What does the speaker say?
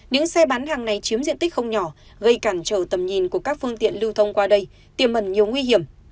những xe bán hàng này chiếm diện tích không nhỏ gây cản trở tầm nhìn của các phương tiện lưu thông qua đây tiềm mẩn nhiều nguy hiểm